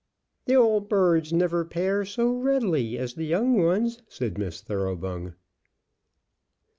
"The old birds never pair so readily as the young ones," said Miss Thoroughbung.